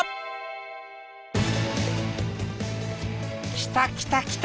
来た来た来た！